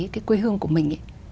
cái quê hương của mình